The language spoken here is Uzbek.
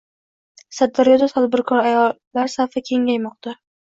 Sirdaryoda tadbirkor ayollar safi kengaymoqda